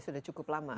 sudah cukup lama